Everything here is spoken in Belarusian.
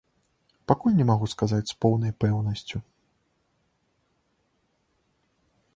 Пакуль не магу сказаць з поўнай пэўнасцю.